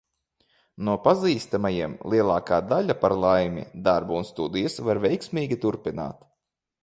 No pazīstamajiem lielākā daļa, par laimi, darbu un studijas var veiksmīgi turpināt.